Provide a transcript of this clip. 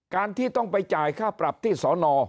การที่ต้องไปจ่ายค่าปรับที่สอนอ